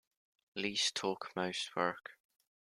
Least talk most work.